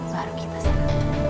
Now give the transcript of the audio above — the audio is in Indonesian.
baru kita serang